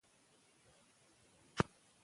دا حالت د ښوونې او روزنې پر وړاندې خنډ دی.